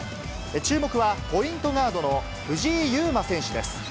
注目は、ポイントガードの藤井祐眞選手です。